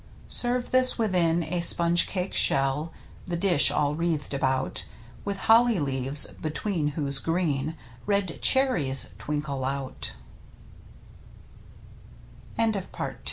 Serve this within a sponge cake shell, The dish all wreathed about With holly leaves, between whose green Red berries twinkle o